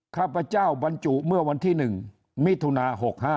ข้าพเจ้าบรรจุเมื่อวันที่๑มิถุนา๖๕